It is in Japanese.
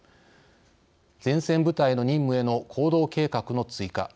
前線部隊の任務への行動計画の追加。